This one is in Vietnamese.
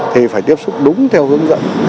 thì phải tiếp xúc đúng theo hướng dẫn